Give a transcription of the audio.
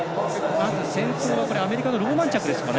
先頭はアメリカのローマンチャックですかね。